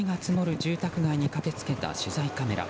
住宅街に駆け付けた取材カメラ。